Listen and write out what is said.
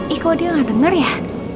ih kok dia gak denger ya